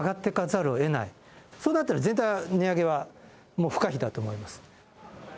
そうなったら、絶対に値上げは、もう不可避だと思います。